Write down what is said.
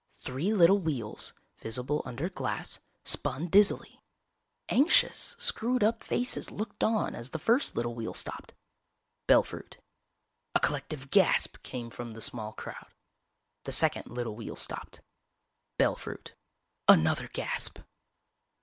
Three little wheels, visible under glass, spun dizzily. Anxious, screwed up faces looked on as the first little wheel stopped. Bell Fruit. A collective gasp came from the small crowd. The second little wheel stopped. Bell Fruit. Another gasp.